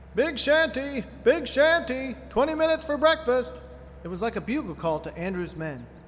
"Big Shanty! Big Shanty! Twenty minutes for breakfast." It was like a bugle call to Andrews' men.